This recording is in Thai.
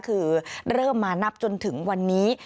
คือเริ่มมานับจนถึงวันนี้